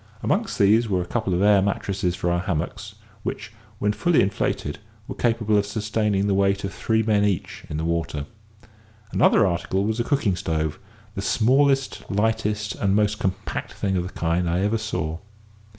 Amongst these were a couple of air mattresses for our hammocks, which, when fully inflated, were capable of sustaining the weight of three men each in the water. Another article was a cooking stove, the smallest, lightest, and most compact thing of the kind I ever saw.